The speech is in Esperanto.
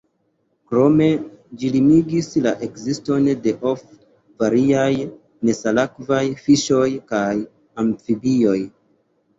Krome ĝi limigis la ekziston de of variaj nesalakvaj fiŝoj kaj amfibioj.